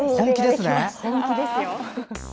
本気ですよ！